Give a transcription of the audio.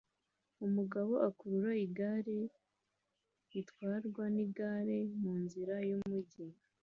Umugabo akurura igare ritwarwa nigare mu nzira yumujyi